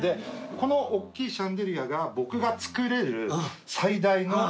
このおっきいシャンデリアが僕が作れる最大の大きさ。